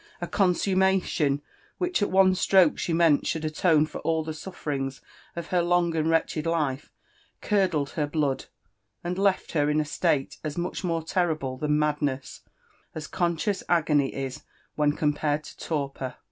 It dbrfsnmrtiairon whreH nt otit stroke she meant Should alone for all thd ^Oflefings of het iMfg anA wretched life, cuf'dled hei* blood, and lefl her in a slate as much more lerrible thao madness, as cotrsciotrd argony k \\heh compared to tofpor.